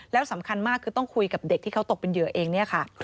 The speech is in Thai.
แล้วสำคัญมากคือต้องคุยกับเด็กที่เขาตกเป็นเหยื่อเองเนี่ยค่ะ